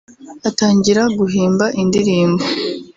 atangira guhimba indirimbo